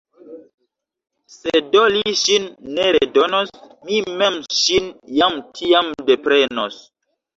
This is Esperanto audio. Se do li ŝin ne redonos, mi mem ŝin jam tiam deprenos.